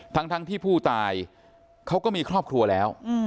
ทั้งที่ผู้ตายเขาก็มีครอบครัวแล้ว